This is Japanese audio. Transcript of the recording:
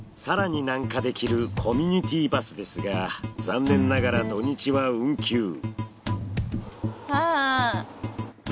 更に南下できるコミュニティバスですが残念ながら土日は運休。